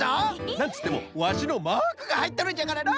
なんつってもワシのマークがはいっとるんじゃからな。